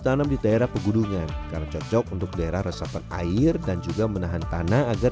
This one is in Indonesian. tanam di daerah pegunungan karena cocok untuk daerah resapan air dan juga menahan tanah agar